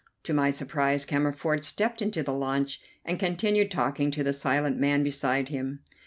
To my surprise Cammerford stepped into the launch and continued talking to the silent man beside him.